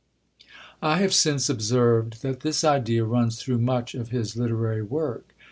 I have since observed that this idea runs through much of his literary work.